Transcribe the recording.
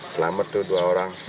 selamat itu dua orang